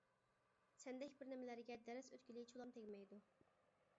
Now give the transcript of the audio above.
سەندەك بىر نېمىلەرگە دەرس ئۆتكىلى چولام تەگمەيدۇ.